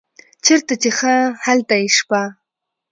چیرته چې ښه هلته یې شپه.